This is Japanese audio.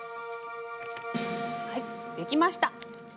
はい出来ました！